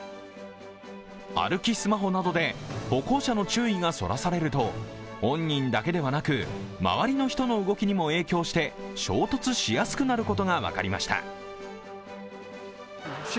歩きスマホなどで歩行者の注意がそらされると本人だけではなく周りの人の動きにも影響して衝突しやすくなることが分かりました。